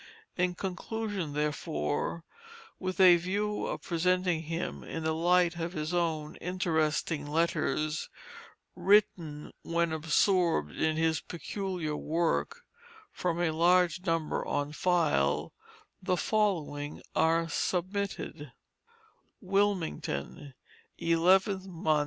In conclusion, therefore, with a view of presenting him in the light of his own interesting letters, written when absorbed in his peculiar work, from a large number on file the following are submitted: WILMINGTON, 11th mo.